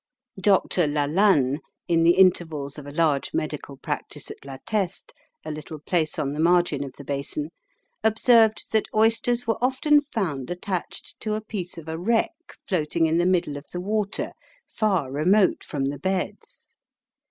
Dr. Lalanne, in the intervals of a large medical practice at La Teste, a little place on the margin of the Basin, observed that oysters were often found attached to a piece of a wreck floating in the middle of the water far remote from the beds.